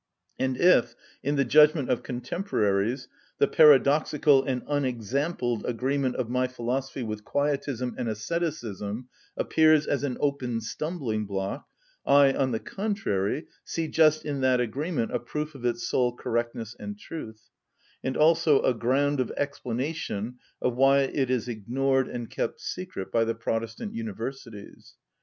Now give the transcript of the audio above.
And if, in the judgment of contemporaries, the paradoxical and unexampled agreement of my philosophy with quietism and asceticism appears as an open stumbling‐block, I, on the contrary, see just in that agreement a proof of its sole correctness and truth, and also a ground of explanation of why it is ignored and kept secret by the Protestant universities.